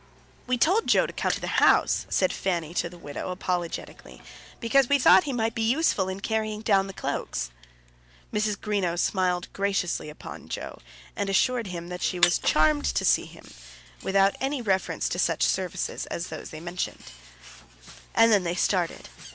"We told Joe to come to the house," said Fanny to the widow, apologetically, "because we thought he might be useful in carrying down the cloaks." Mrs. Greenow smiled graciously upon Joe, and assured him that she was charmed to see him, without any reference to such services as those mentioned. And then they started.